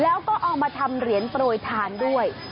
แล้วก็เอามาทำเหรียญโปรยทานด้วย